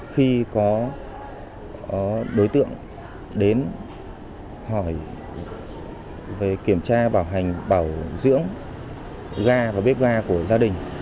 khi có đối tượng đến hỏi về kiểm tra bảo hành bảo dưỡng ga và bếp ga của gia đình